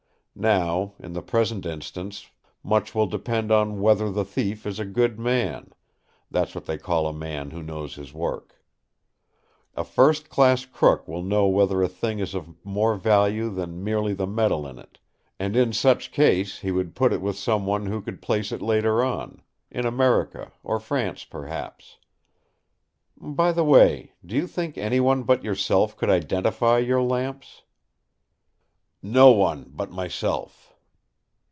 Now, in the present instance much will depend on whether the thief is a good man—that's what they call a man who knows his work. A first class crook will know whether a thing is of more value than merely the metal in it; and in such case he would put it with someone who could place it later on—in America or France, perhaps. By the way, do you think anyone but yourself could identify your lamps?" "No one but myself!"